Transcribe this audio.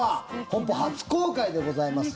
本邦初公開でございます。